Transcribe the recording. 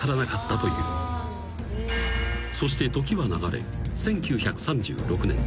［そして時は流れ１９３６年］